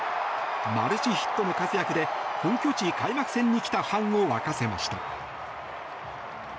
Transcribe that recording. マルチヒットの活躍で本拠地開幕戦に来たファンを沸かせました。